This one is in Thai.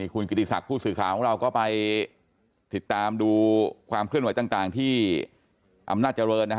คุณกิติศักดิ์ผู้สื่อข่าวของเราก็ไปติดตามดูความเคลื่อนไหวต่างที่อำนาจเจริญ